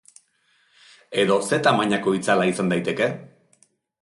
Edo, ze tamainako itzala izan daiteke?